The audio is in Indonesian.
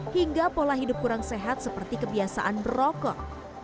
hingga pola hidup kurang sehat seperti kebiasaan berokok